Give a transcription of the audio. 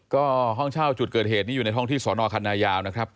ก็ห้องเช่าจุดเกิดเหตุนี้อยู่ในห้องที่สอนอคันนายาวนะครับ